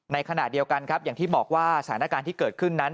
ในขณะเดียวกันครับอย่างที่บอกว่าสถานการณ์ที่เกิดขึ้นนั้น